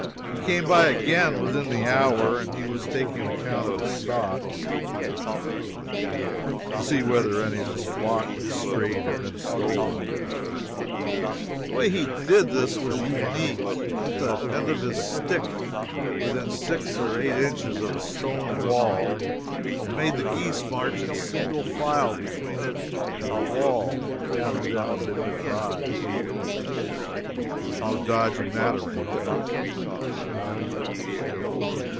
We came by again, within the hour, and he was taking account of stock, to see whether any of his flock had strayed or been stolen. The way he did it was unique. He put the end of his stick within six or eight inches of a stone wall, and made the geese march in single file between it and the wall. He counted them as they went by. There was no dodging that arrangement.